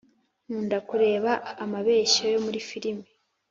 Nkunda kureba amabeshyo yo muri firime